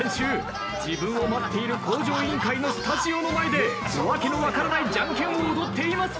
自分を待っている『向上委員会』のスタジオの前で訳の分からないじゃんけんを踊っています。